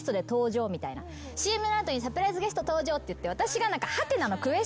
ＣＭの後にサプライズゲスト登場っていって私が。